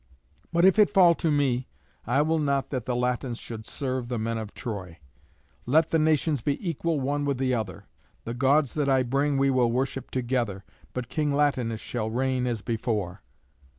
But if it fall to me, I will not that the Latins should serve the men of Troy. Let the nations be equal one with the other. The gods that I bring we will worship together, but King Latinus shall reign as before.